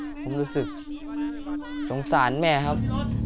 ผมรู้สึกสงสารแม่ครับ